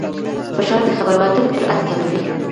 فشار د خبرو اترو جرئت کموي.